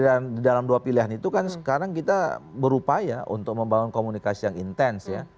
dan di dalam dua pilihan itu kan sekarang kita berupaya untuk membangun komunikasi yang intens ya